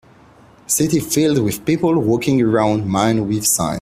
City filled with people walking around man with sign.